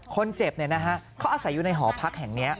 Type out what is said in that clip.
คนเจ็บเนี่ยนะฮะเขาอาศัยอยู่ในหอพักแห่งเนี้ย